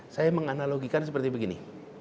saya menganalogikan seperti begini